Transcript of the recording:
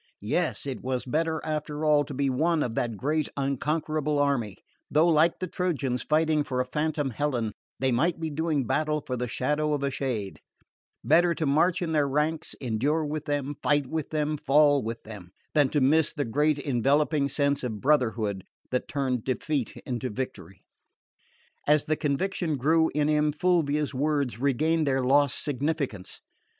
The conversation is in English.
Yes, it was better after all to be one of that great unconquerable army, though, like the Trojans fighting for a phantom Helen, they might be doing battle for the shadow of a shade; better to march in their ranks, endure with them, fight with them, fall with them, than to miss the great enveloping sense of brotherhood that turned defeat to victory. As the conviction grew in him, Fulvia's words regained their lost significance.